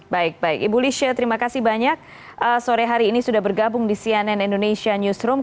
baik baik ibu lisha terima kasih banyak sore hari ini sudah bergabung di cnn indonesia newsroom